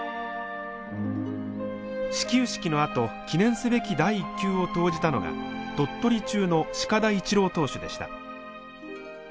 始球式のあと記念すべき第１球を投じたのが鳥取中の鹿田一郎投手でした。